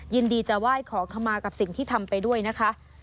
ยินดีจะไหว้ขอขมากับสิ่งที่ทำไปด้วยนะคะ